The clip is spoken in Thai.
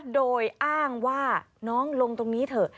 โดยอ้างว่าน้องลงตรงนี้เถอะ